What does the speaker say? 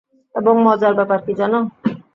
এবং মজার ব্যাপার কি জানো?